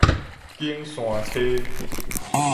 景山溪